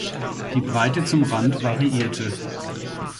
Die Breite zum Rand variierte.